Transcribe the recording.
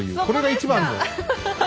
これが一番の。